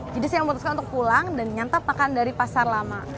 jadi saya memutuskan untuk pulang dan nyantap makan dari pasar lama